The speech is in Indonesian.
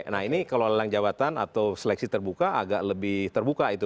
nah ini kalau lelang jabatan atau seleksi terbuka agak lebih terbuka itu